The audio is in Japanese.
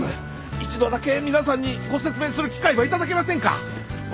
一度だけ皆さんにご説明する機会ばいただけませんか？